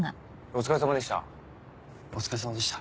お疲れさまでした。